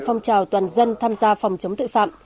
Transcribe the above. phong trào toàn dân tham gia phòng chống tội phạm